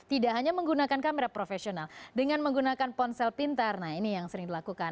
tidak hanya menggunakan kamera profesional dengan menggunakan ponsel pintar nah ini yang sering dilakukan